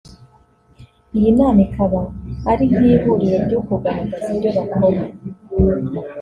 Iyi nama ikaba ari nk’ihuriro ryo kugaragaza ibyo bakora